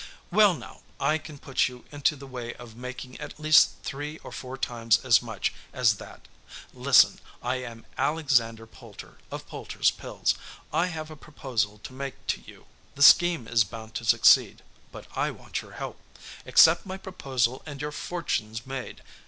"Well, now, I can put you into the way of making at least three or four times as much as that. Listen! I am Alexander Poulter, of Poulter's Pills. I have a proposal to make to you. The scheme is bound to succeed, but I want your help. Accept my proposal and your fortune's made.